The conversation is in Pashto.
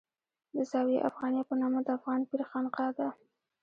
د زاویه افغانیه په نامه د افغان پیر خانقاه ده.